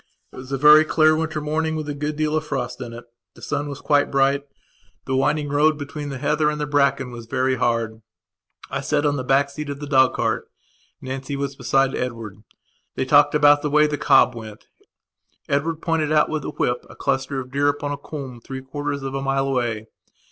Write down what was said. It was a very clear winter morning, with a good deal of frost in it. The sun was quite bright, the winding road between the heather and the bracken was very hard. I sat on the back seat of the dog cart; Nancy was beside Edward. They talked about the way the cob went; Edward pointed out with the whip a cluster of deer upon a coombe three quarters of a mile away.